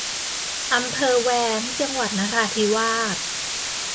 อำเภอแว้ง จังหวัดนราธิวาส